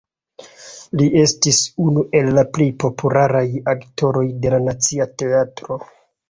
Li estis unu el la plej popularaj aktoroj de la Nacia Teatro.